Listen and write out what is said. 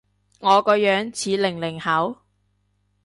我個樣似零零後？